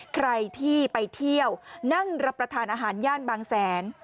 ใครที่ไปเที่ยวนั่งรับประทานอาหารย่านบางแสน